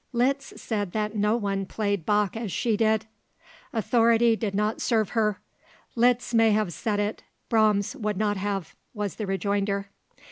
"Liszt said that no one played Bach as she did." Authority did not serve her. "Liszt may have said it; Brahms would not have;" was the rejoinder.